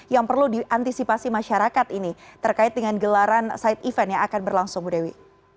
yang perlu diantisipasi masyarakat ini terkait dengan gelaran side event yang akan berlangsung bu dewi